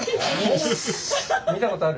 見たことある？